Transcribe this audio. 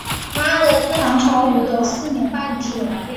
唐朝武德四年复置。